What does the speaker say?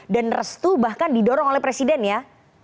dan restu bahkan didorong oleh presiden ya